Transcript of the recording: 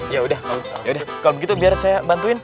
ya udah yaudah kalau begitu biar saya bantuin